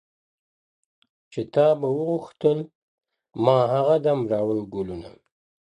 چي تا به وغوښتل ما هغه دم راوړل گلونه